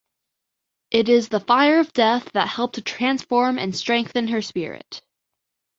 It is the fire of death that helped to transform and strengthen her spirit.